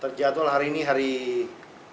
terjatuh hari ini hari ini